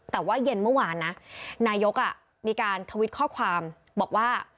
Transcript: แต่ว่าเย็นเมื่อวานนะนายกมีการทวิตข้อความบอกว่า